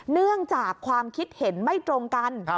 เนื่องจากความคิดเห็นไม่ตรงกัน